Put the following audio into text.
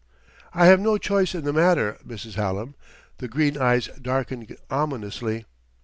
"I have no choice in the matter, Mrs. Hallam." The green eyes darkened ominously.